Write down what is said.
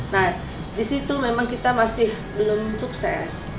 nah di situ memang kita masih belum sukses